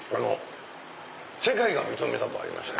「世界が認めた」とありました。